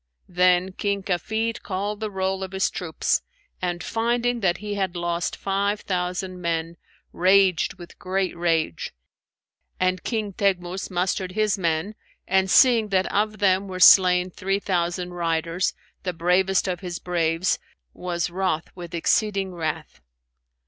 Then King Kafid called the roll of his troops and, finding that he had lost five thousand men, raged with great rage; and King Teghmus mustered his men and seeing that of them were slain three thousand riders, the bravest of his braves, was wroth with exceeding wrath.